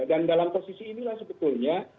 dan dalam posisi inilah sebetulnya